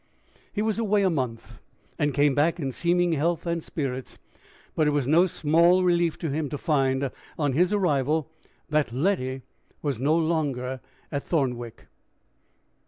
He was away a month, and came back in seeming health and spirits. But it was no small relief to him to find on his arrival that Letty was no longer at Thornwick.